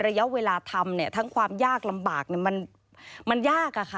ระยะเวลาทำทั้งความยากลำบากมันยาก